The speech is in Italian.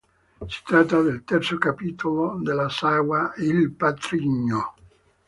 Si tratta del terzo capitolo della saga de "Il patrigno".